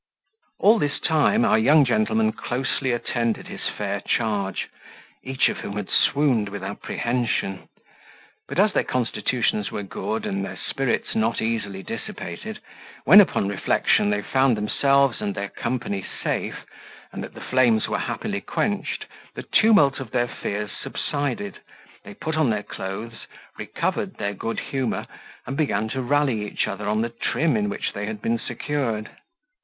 All this time our young gentleman closely attended his fair charge, each of whom had swooned with apprehension; but as their constitutions were good, and their spirits not easily dissipated, when upon reflection they found themselves and their company safe, and that the flames were happily quenched, the tumult of their fears subsided, they put on their clothes, recovered their good humour, and began to rally each other on the trim in which they had been secured.